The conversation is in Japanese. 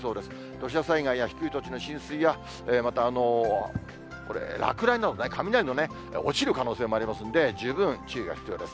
土砂災害や低い土地の浸水や、また落雷などで、雷などの落ちる可能性もありますんで、十分注意が必要です。